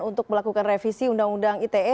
untuk melakukan revisi undang undang ite